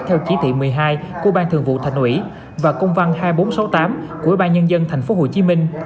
theo chỉ thị một mươi hai của ban thường vụ thành ủy và công văn hai nghìn bốn trăm sáu mươi tám của ủy ban nhân dân tp hcm